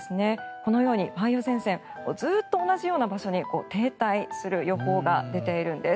このように梅雨前線ずっと同じような場所に停滞する予報が出ているんです。